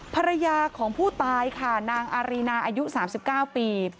ภรรยาของผู้ตายค่ะนางอารีนาอายุ๓๙ปี